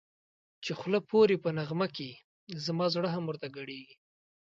چی خوله پوری په نغمه کی زما زړه هم ورته گډېږی